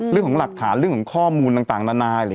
เรื่องของหลักฐานเรื่องของข้อมูลต่างนานาหรือ